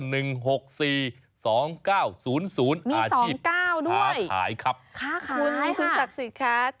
มี๒๙ด้วยอาชีพค้าขายครับค้าขายค่ะคุณศักดิ์สิทธิ์ครับ